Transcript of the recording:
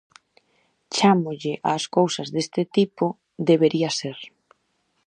Chámolle ás cousas deste tipo "Debería-ser".